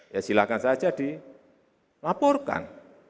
ya silakan saja dilaporkan